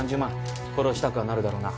殺したくはなるだろうな。